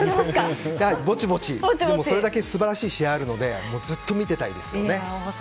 でもそれだけ素晴らしい試合があるのでずっと見ていたいですね。